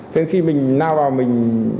thế khi mình lao vào mình